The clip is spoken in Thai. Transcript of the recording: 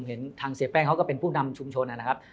เห็นทางเสียแป้งเขาก็เป็นผู้นำชุมชนนะครับ